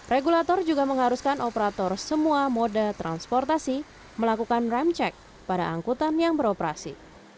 regulator juga mengharuskan operator semua moda transportasi melakukan rem cek pada angkutan yang beroperasi